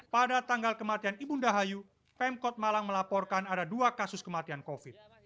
pada tanggal kematian ibu ndahayu pemkot malang melaporkan ada dua kasus kematian covid